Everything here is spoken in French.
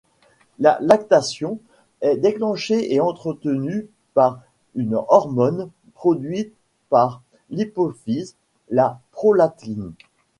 La lactation est déclenchée et entretenue par une hormone produite par l'hypophyse, la prolactine.